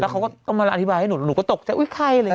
แล้วเขาก็อธิภัยให้หนูลุก็ปุ๊ปบอกว่าอุ๊ยใคร